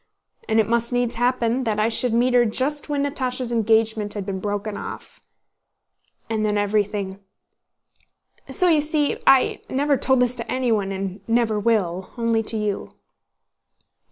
And it must needs happen that I should meet her just when Natásha's engagement had been broken off... and then everything... So you see... I never told this to anyone and never will, only to you."